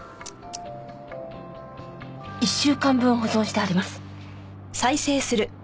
１週間分保存してあります。